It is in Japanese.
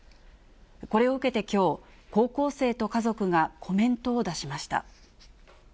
これを受けてきょう、高校生と家族がコメントを出しました。